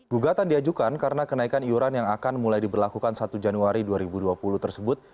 gugatan diajukan karena kenaikan iuran yang akan mulai diberlakukan satu januari dua ribu dua puluh tersebut